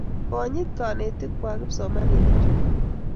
Konyiti kanetik kwag kipsomaninik chun